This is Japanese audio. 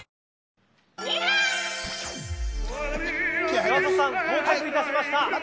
山里さん、到着いたしました。